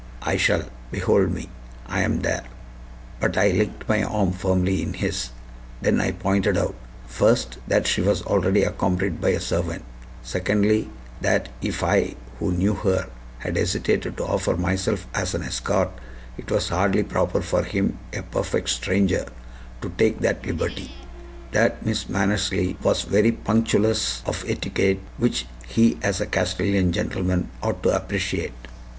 I shall. Behold me I am there." But I linked my arm firmly in his. Then I pointed out, first, that she was already accompanied by a servant; secondly, that if I, who knew her, had hesitated to offer myself as an escort, it was hardly proper for him, a perfect stranger, to take that liberty; that Miss Mannersley was very punctilious of etiquette, which he, as a Castilian gentleman, ought to appreciate.